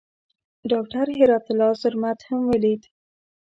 ډاکټر هرات الله زرمت هم ولید.